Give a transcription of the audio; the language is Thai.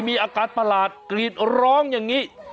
มีอาการประหลาดกรีดร้องอย่างนี้